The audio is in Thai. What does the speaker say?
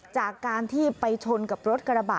จากการที่ไปชนกับรถกระบะ